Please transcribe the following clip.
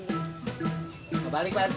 nggak balik pak erta itu